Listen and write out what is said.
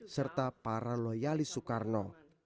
serta para loyalis soekarno